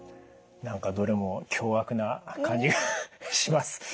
何かどれも凶悪な感じがします。